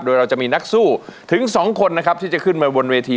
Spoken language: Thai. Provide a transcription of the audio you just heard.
โดยเราจะมีนักสู้ถึงสองคนนะครับที่จะขึ้นมาบนเวที